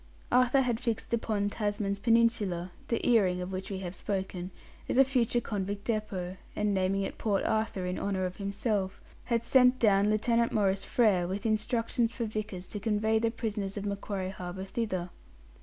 Arthur had fixed upon Tasman's Peninsula the earring of which we have spoken as a future convict depôt, and naming it Port Arthur, in honour of himself, had sent down Lieutenant Maurice Frere with instructions for Vickers to convey the prisoners of Macquarie Harbour thither.